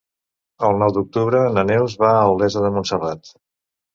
El nou d'octubre na Neus va a Olesa de Montserrat.